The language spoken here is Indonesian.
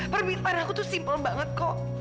permintaan aku tuh simpel banget kok